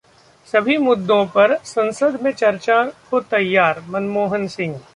सभी मुद्दों पर संसद में चर्चा को तैयारः मनमोहन सिंह